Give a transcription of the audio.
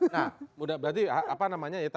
nah berarti apa namanya ya